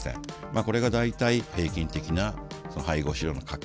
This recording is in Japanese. これが大体平均的な配合飼料の価格。